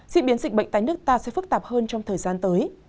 diễn biến dịch bệnh tại nước ta sẽ phức tạp hơn trong thời gian tới